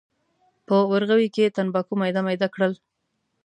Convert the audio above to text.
په ورغوي کې یې تنباکو میده میده کړل.